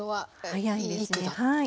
早いですねはい。